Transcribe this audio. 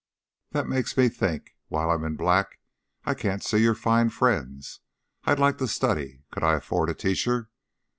"That makes me think. While I'm in black I can't see your fine friends. I'd like to study. Could I afford a teacher?"